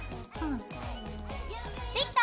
できた！